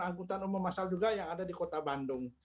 anggota umum masyarakat juga yang ada di kota bandung